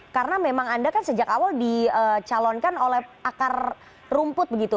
karena memang anda kan sejak awal dicalonkan oleh akar rumput begitu